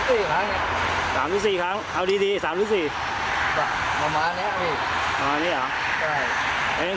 เอาไปทำอะไรครับเนี่ยเหล็ก